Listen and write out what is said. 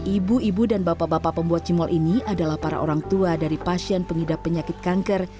ibu ibu dan bapak bapak pembuat cimol ini adalah para orang tua dari pasien pengidap penyakit kanker